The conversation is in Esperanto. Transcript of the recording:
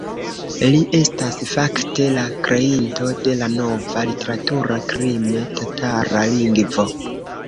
Li estas fakte la kreinto de la nova literatura krime-tatara lingvo.